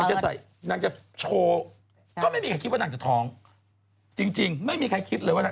นางจะโชว์ก็ไม่มีใครคิดว่านางจะท้องจริงไม่มีใครคิดเลย